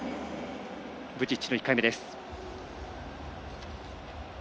ブチッチの１回目。